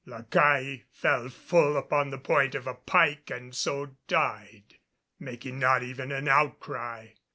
La Caille fell full upon the point of a pike and so died, making not even an outcry.